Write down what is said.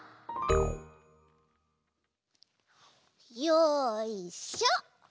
よいしょ！